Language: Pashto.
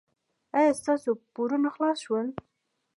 ایا ستاسو پورونه خلاص شول؟